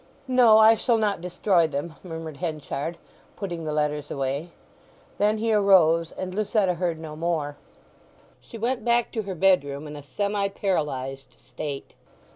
"No, I shall not destroy them," murmured Henchard, putting the letters away. Then he arose, and Lucetta heard no more. She went back to her bedroom in a semi paralyzed state.